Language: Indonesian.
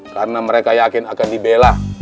karena mereka yakin akan dibelah